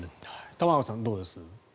玉川さん、どうです？